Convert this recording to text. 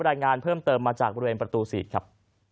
รายงานเพิ่มเติมมาจากบริเวณประตู๔ครับ